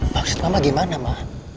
maksud mama bagaimana ma